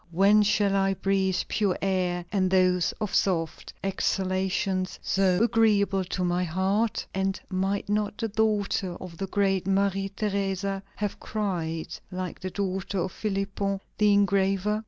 when shall I breathe pure air and those soft exhalations so agreeable to my heart?" And might not the daughter of the great Maria Theresa have cried, like the daughter of Philipon the engraver?